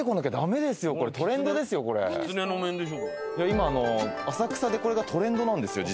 今浅草でこれがトレンドなんですよ